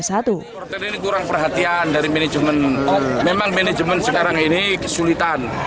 ini kurang perhatian dari manajemen memang manajemen sekarang ini kesulitan